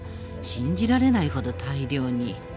信じられないほど大量に。